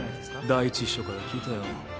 第一秘書から聞いたよ。